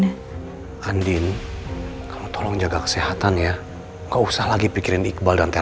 ini dia bos orangnya sudah saya temukan